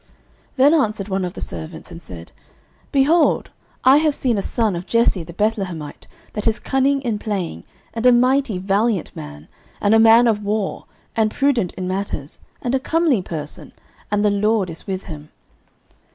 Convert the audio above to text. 09:016:018 Then answered one of the servants, and said, Behold, I have seen a son of Jesse the Bethlehemite, that is cunning in playing, and a mighty valiant man, and a man of war, and prudent in matters, and a comely person, and the LORD is with him.